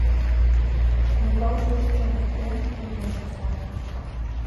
— Микал, шӱргыжым кучен, имньым вурса.